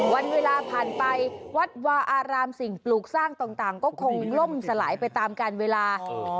วันเวลาผ่านไปวัดวาอารามสิ่งปลูกสร้างต่างก็คงล่มสลายไปตามการเวลา